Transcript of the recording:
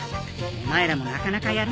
お前らもなかなかやるな。